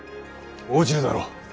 応じるだろう。